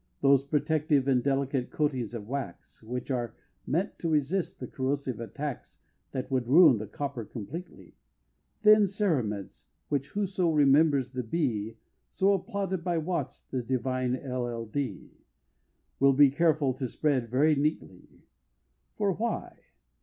Those protective and delicate coatings of wax, Which are meant to resist the corrosive attacks That would ruin the copper completely; Thin cerements which whoso remembers the Bee So applauded by Watts, the divine LL.D., Will be careful to spread very neatly. For why?